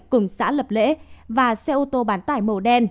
cùng xã lập lễ và xe ô tô bán tải màu đen